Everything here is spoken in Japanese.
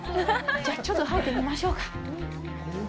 じゃあ、ちょっと履いてみましょうか。